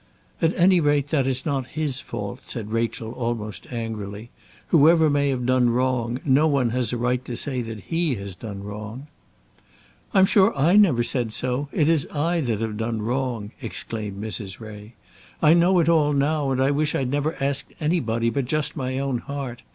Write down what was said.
"At any rate that is not his fault," said Rachel, almost angrily. "Whoever may have done wrong, no one has a right to say that he has done wrong." "I'm sure I never said so. It is I that have done wrong," exclaimed Mrs. Ray. "I know it all now, and I wish I'd never asked anybody but just my own heart.